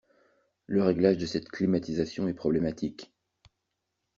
Le réglage de cette climatisation est problématique.